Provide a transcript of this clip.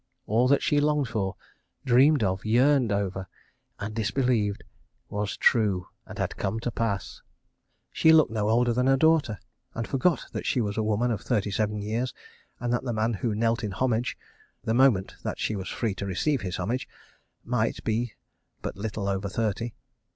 All that she longed for, dreamed of, yearned over—and disbelieved—was true and had come to pass. ... She looked no older than her own daughter—and forgot that she was a woman of thirty seven years, and that the man who knelt in homage (the moment that she was free to receive his homage!) might be but little over thirty.